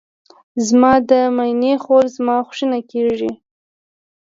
زما د ماینې خور زما خوښینه کیږي.